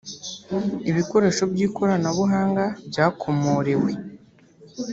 ibikoresho by’ikoranabuhanga byakomorewe